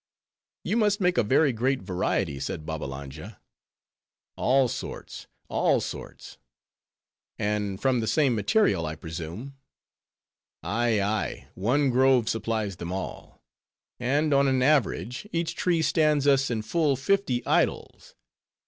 "You must make a very great variety," said Babbalanja. "All sorts, all sorts." "And from the same material, I presume." "Ay, ay, one grove supplies them all. And, on an average, each tree stands us in full fifty idols.